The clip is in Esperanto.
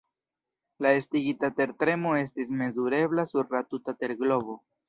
La estigita tertremo estis mezurebla sur la tuta terglobo.